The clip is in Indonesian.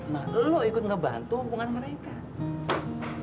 nah lo ikut ngebantu hubungan mereka